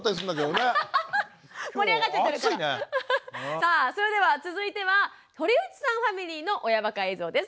さあそれでは続いては堀内さんファミリーの親バカ映像です。